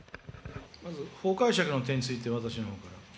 まず法解釈の点について、私のほうから。